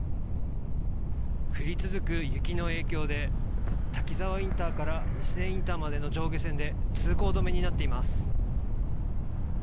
降り続く雪の影響で滝沢インターから西根インターまでの上下線で通行止めになっています。